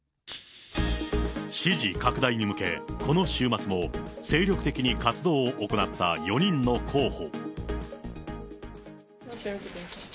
支持拡大に向け、この週末も精力的に活動を行った４人の候補。